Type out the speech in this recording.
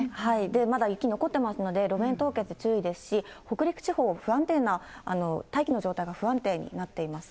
まだ雪も残ってますので、路面凍結注意ですし、北陸地方、不安定な、大気の状態が不安定になっています。